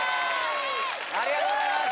ありがとうございます